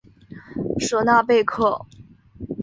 舍纳贝克。